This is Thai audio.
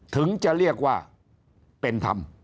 ถึงจะเรียกว่าเป็นธรรม